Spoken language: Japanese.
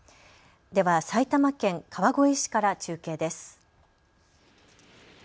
では埼玉県川越市から中継です。